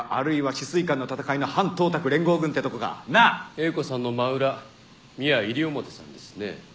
英子さんの真裏ミア西表さんですね。